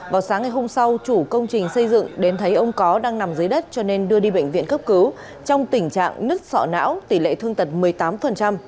vào sáng ngày hôm sau chủ công trình xây dựng đến thấy ông có đang nằm dưới đất cho nên đưa đi bệnh viện cấp cứu trong tình trạng nứt sọ não tỷ lệ thương tật một mươi tám